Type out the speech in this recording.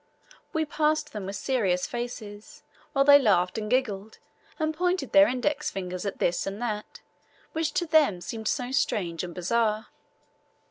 We passed them with serious faces, while they laughed and giggled, and pointed their index fingers at this and that, which to them seemed so strange and bizarre.